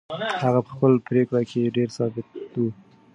هغه په خپله پرېکړه کې ډېره ثابته وه.